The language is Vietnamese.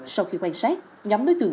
sau khi quan sát nhóm đối tượng